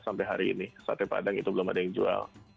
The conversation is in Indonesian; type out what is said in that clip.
sampai hari ini sate padang itu belum ada yang jual